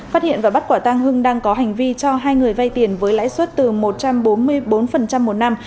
phát hiện và bắt quả tăng hưng đang có hành vi cho hai người vay tiền với lãi suất từ một trăm bốn mươi bốn một năm